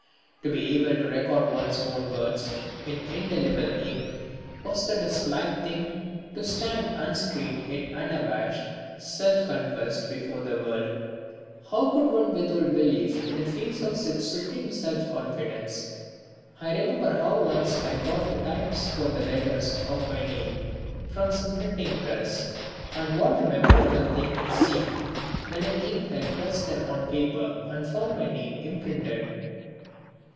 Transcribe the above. To be able to record one's own words in indelible ink was that a slight thing? To stand unscreened yet unabashed, self confessed before the world, how could one withhold belief in the face of such supreme self confidence? I remember how once I got the types for the letters of my name from some printing press, and what a memorable thing it seemed when I inked and pressed them on paper and found my name imprinted.